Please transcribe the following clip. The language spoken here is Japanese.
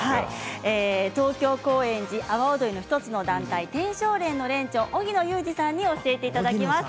東京高円寺、阿波おどりの１つの団体、天翔連の連長荻野勇二さんに教えていただきます。